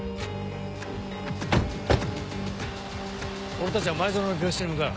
俺たちは前薗の病室に向かう。